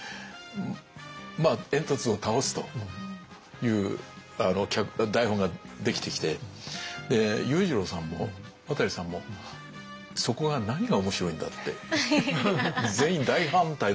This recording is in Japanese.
まあ煙突を倒すという台本ができてきて裕次郎さんも渡さんもそこが全員大反対だったんですよ。